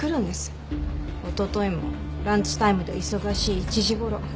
おとといもランチタイムで忙しい１時頃。